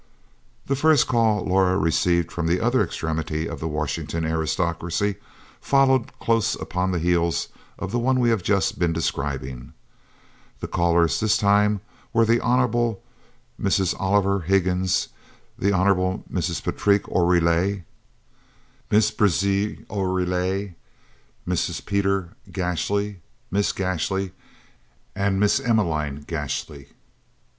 The first call Laura received from the other extremity of the Washington aristocracy followed close upon the heels of the one we have just been describing. The callers this time were the Hon. Mrs. Oliver Higgins, the Hon. Mrs. Patrique Oreille (pronounced O relay,) Miss Bridget (pronounced Breezhay) Oreille, Mrs. Peter Gashly, Miss Gashly, and Miss Emmeline Gashly.